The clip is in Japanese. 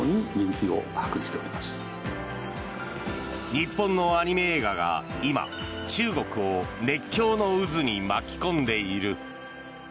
日本のアニメ映画が今、中国を熱狂の渦に巻き込んでいる。